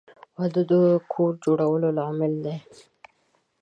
• واده د کور جوړولو لامل دی.